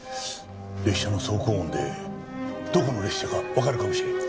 列車の走行音でどこの列車かわかるかもしれない。